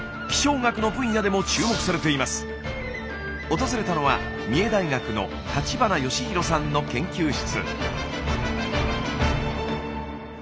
訪れたのは三重大学の立花義裕さんの研究室。